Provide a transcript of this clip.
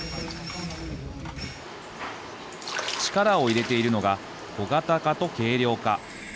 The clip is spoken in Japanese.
力を入れているのが小型化と軽量化。